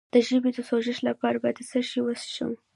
د ژبې د سوزش لپاره باید څه شی وڅښم؟